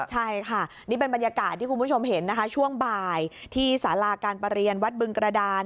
ใช่ค่ะนี่เป็นบรรยากาศที่คุณผู้ชมเห็นนะคะช่วงบ่ายที่สาราการประเรียนวัดบึงกระดาน